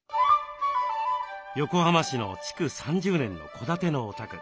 横浜市の築３０年の戸建てのお宅。